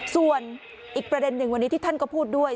ส่วนอีกประเด็นหนึ่งวันนี้ที่ท่านก็พูดด้วย